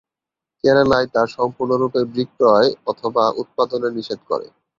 কেরালায় তা সম্পূর্ণরূপে বিক্রয় অথবা উৎপাদনে নিষেধ করে।